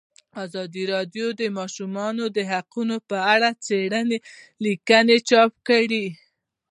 ازادي راډیو د د ماشومانو حقونه په اړه څېړنیزې لیکنې چاپ کړي.